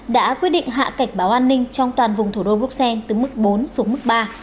đã quyết định hạ cảnh báo an ninh trong toàn vùng thủ đô bruxelles từ mức bốn xuống mức ba